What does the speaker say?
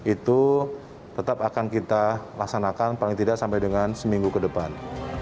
itu tetap akan kita laksanakan paling tidak sampai dengan seminggu ke depan